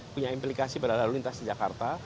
punya implikasi pada lalu lintas di jakarta